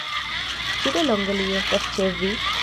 Ĉu de longe li estas ĉe vi?